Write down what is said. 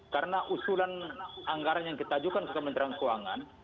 karena usulan anggaran yang kita ajukan ke kementerian keuangan